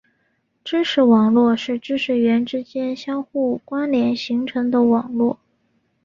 知识网络是知识元之间相互关联形成的网络。